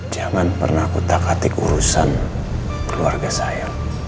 jangan pernah ku tak hati urusan keluarga saya